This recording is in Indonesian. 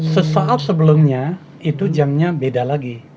sesaat sebelumnya itu jamnya beda lagi